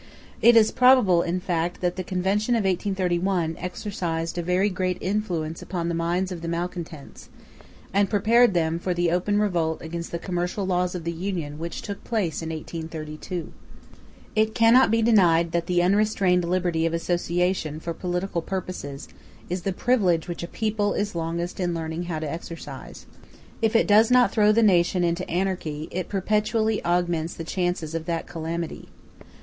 It is probable, in fact, that the Convention of 1831 exercised a very great influence upon the minds of the malcontents, and prepared them for the open revolt against the commercial laws of the Union which took place in 1832. It cannot be denied that the unrestrained liberty of association for political purposes is the privilege which a people is longest in learning how to exercise. If it does not throw the nation into anarchy, it perpetually augments the chances of that calamity.